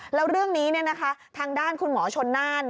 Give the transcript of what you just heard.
แล้วเรื่องนี้ทางด้านคุณหมอชนน่าน